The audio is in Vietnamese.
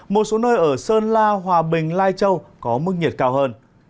một số nơi ở sơn la hòa bình lai châu có mức nhiệt cao hơn